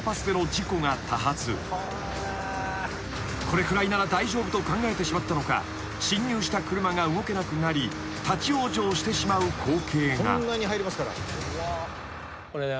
［これくらいなら大丈夫と考えてしまったのか進入した車が動けなくなり立ち往生してしまう光景が］ありますね。